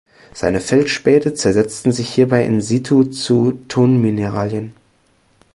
Seine Feldspäte zersetzten sich hierbei in situ zu Tonmineralen.